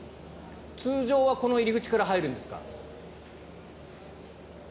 通常はこの入り口から入るんですか？